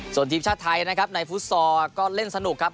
ส่วนทีมชาติไทยนะครับในฟุตซอลก็เล่นสนุกครับ